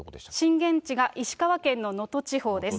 震源地が石川県の能登地方です。